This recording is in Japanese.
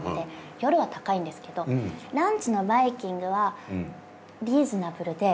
夜は高いんですけどランチのバイキングはリーズナブルで。